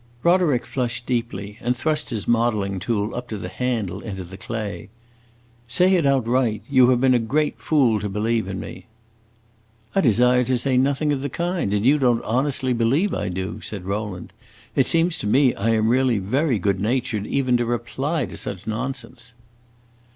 Roderick flushed deeply, and thrust his modeling tool up to the handle into the clay. "Say it outright! You have been a great fool to believe in me." "I desire to say nothing of the kind, and you don't honestly believe I do!" said Rowland. "It seems to me I am really very good natured even to reply to such nonsense."